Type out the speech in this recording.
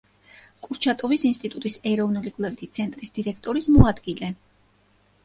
კურჩატოვის ინსტიტუტის ეროვნული კვლევითი ცენტრის დირექტორის მოადგილე.